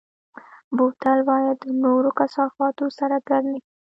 بوتل باید د نورو کثافاتو سره ګډ نه شي.